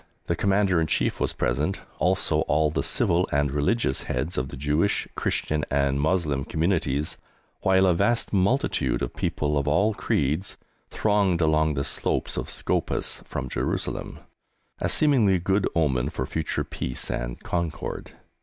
The Commander in Chief was present; also all the civil and religious heads of the Jewish, Christian, and Moslem communities, while a vast multitude of people of all creeds thronged along the slopes of Scopus from Jerusalem a seemingly good omen for future peace and concord.